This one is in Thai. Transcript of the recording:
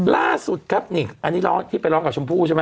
ล่าสุดครับนี่อันนี้ร้องที่ไปร้องกับชมพู่ใช่ไหม